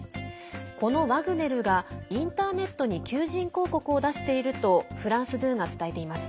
このワグネルがインターネットに求人広告を出しているとフランス２が伝えています。